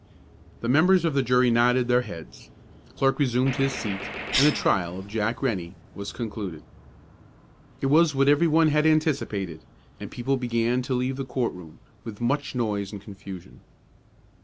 The members of the jury nodded their heads, the clerk resumed his seat, and the trial of Jack Rennie was concluded. It was what every one had anticipated, and people began to leave the court room, with much noise and confusion.